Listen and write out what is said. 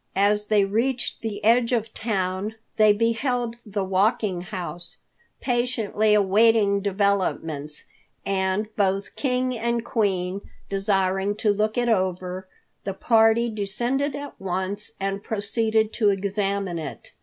As they reached the edge of the town, they beheld the Walking House patiently awaiting developments and, both King and Queen desiring to look it over, the party descended at once and proceeded to examine it.